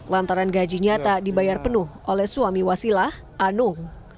lantaran gaji nyata dibayar penuh oleh suami wasilah anung